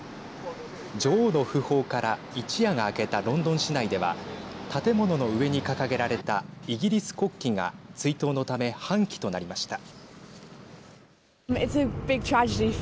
女王の訃報から一夜が明けたロンドン市内では建物の上に掲げられたイギリス国旗が追悼のため半旗となりました。